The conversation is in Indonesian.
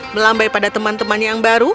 melambai pada teman teman yang baru